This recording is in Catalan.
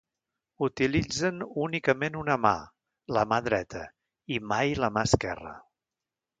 Utilitzen únicament una mà, la mà dreta i mai la mà esquerra.